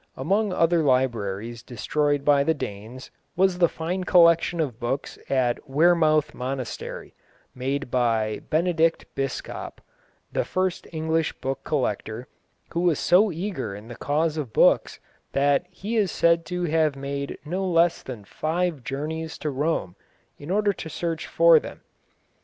Among other libraries destroyed by the Danes was the fine collection of books at Wearmouth monastery, made by Benedict Biscop, the first English book collector, who was so eager in the cause of books that he is said to have made no less than five journeys to Rome in order to search for them.